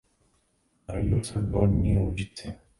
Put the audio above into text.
Narodil se v Dolní Lužici.